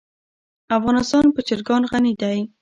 افغانستان په چرګان غني دی.